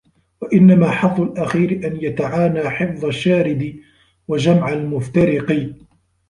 وَإِنَّمَا حَظُّ الْأَخِيرِ أَنْ يَتَعَانَى حِفْظَ الشَّارِدِ وَجَمْعَ الْمُفْتَرِقِ